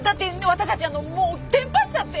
私たちあのもうテンパっちゃって！